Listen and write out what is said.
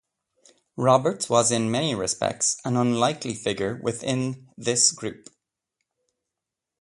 Roberts was in many respects an unlikely figure within this group.